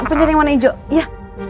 pencet yang warna hijau iya